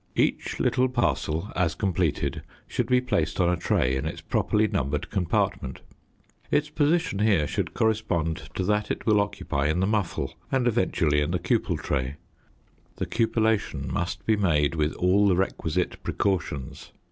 Each little parcel, as completed, should be placed on a tray in its properly numbered compartment. Its position here should correspond to that it will occupy in the muffle and eventually in the cupel tray. The cupellation must be made with all the requisite precautions.